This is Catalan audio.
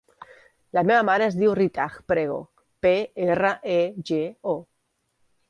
La meva mare es diu Ritaj Prego: pe, erra, e, ge, o.